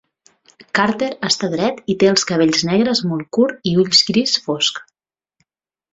Carter està dret i té els cabells negres molt curt i ulls gris fosc.